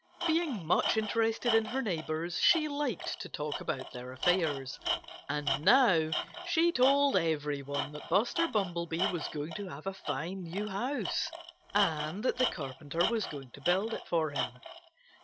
Being much interested in her neighbors, she liked to talk about their affairs. And now she told everyone that Buster Bumblebee was going to have a fine new house, and that the Carpenter was going to build it for him.